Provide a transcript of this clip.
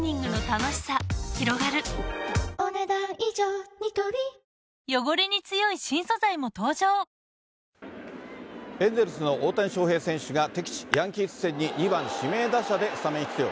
「エイト・フォーアロマスイッチ」新発売エンゼルスの大谷翔平選手が、敵地、ヤンキース戦に２番指名打者でスタメン出場。